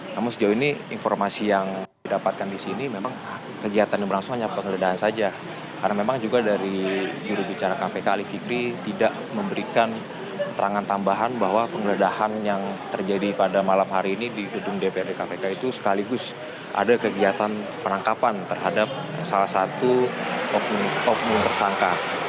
namun sejauh ini informasi yang didapatkan disini memang kegiatan yang berlangsung hanya penggeledahan saja karena memang juga dari juru bicara kpk alif fikri tidak memberikan terangan tambahan bahwa penggeledahan yang terjadi pada malam hari ini di gedung dprd kpk itu sekaligus ada kegiatan penangkapan terhadap salah satu top mengtersangka